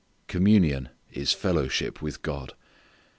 Communion is fellowship with God.